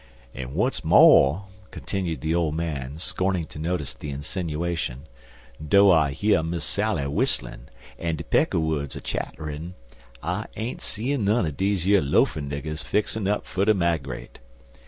"An' w'at's mo'," continued the old man, scorning to notice the insinuation, "dough I year Miss Sally w'isslin', an' de peckerwoods a chatterin', I ain't seein' none er deze yer loafin' niggers fixin' up fer ter 'migrate.